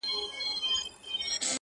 مطلب پوره سو د يارۍ خبره ورانه سوله،